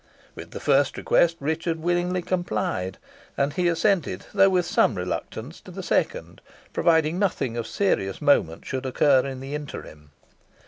With the first request Richard willingly complied, and he assented, though with some reluctance, to the second, provided nothing of serious moment should occur in the interim.